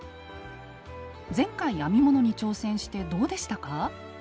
前回編み物に挑戦してどうでしたか？